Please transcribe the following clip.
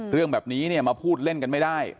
เรื่องแบบนี้เนี่ยมาพูดเล่นกันไม่ได้